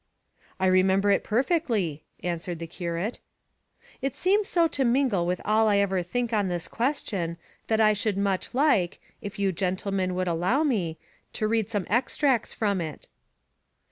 "I remember it perfectly," answered the curate. "It seems so to mingle with all I ever think on this question, that I should much like, if you gentlemen would allow me, to read some extracts from it."